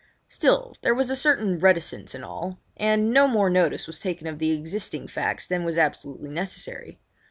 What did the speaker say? Still there was a certain reticence in all, and no more notice was taken of the existing facts than was absolutely necessary.